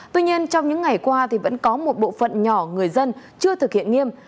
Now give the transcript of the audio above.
tuy nhiên trong những ngày qua vẫn có một bộ phận nhỏ người dân chưa thực hiện nghiêm